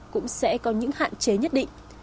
cũng sẽ có những hạn chế nhất định